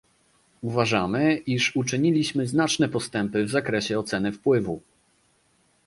Uważamy, iż uczyniliśmy znaczne postępy w zakresie oceny wpływu